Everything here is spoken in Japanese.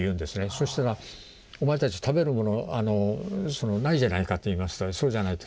「そしたらお前たち食べるものないじゃないか」と言いましたら「そうじゃない」と。